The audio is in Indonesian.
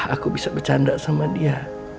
aku bisa bercanda sama dia